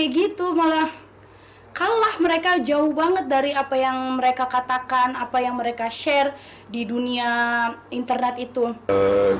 malah kalah mereka jauh banget dari apa yang mereka katakan apa yang mereka share di dunia internet itu